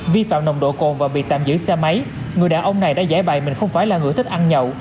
vi phạm nồng độ cồn và bị tạm giữ xe máy người đàn ông này đã giải bày mình không phải là người thích ăn nhậu